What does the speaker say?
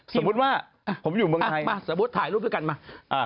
สมมุติว่าผมอยู่เมืองไทยมาสมมุติถ่ายรูปด้วยกันมา